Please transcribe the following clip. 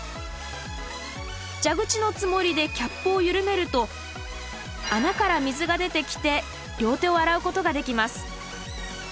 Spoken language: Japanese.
蛇口のつもりでキャップを緩めると穴から水が出てきて両手を洗うことができます。